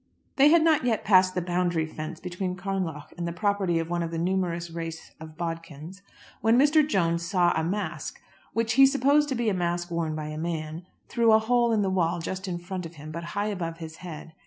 They had not yet passed the boundary fence between Carnlough and the property of one of the numerous race of Bodkins, when Mr. Jones saw a mask, which he supposed to be a mask worn by a man, through a hole in the wall just in front of him, but high above his head.